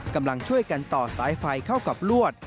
กำลังช่วยกันต่อสายไฟเข้ากับลวด